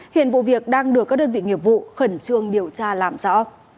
hiện vụ việc đang được các đơn vị nghiệp vụ khẩn trương điều tra làm rõ